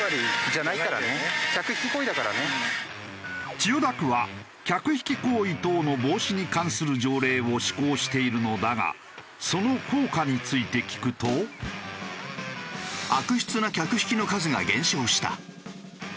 千代田区は客引き行為等の防止に関する条例を施行しているのだがその効果について聞くと。というが。